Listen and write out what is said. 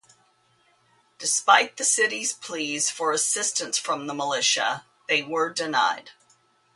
Despite the city's pleas for assistance from the militia, they were denied.